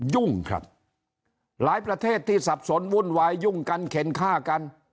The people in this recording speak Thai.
ยุ่งครับหลายประเทศที่สับสนวุ่นวายยุ่งกันเข็นฆ่ากัน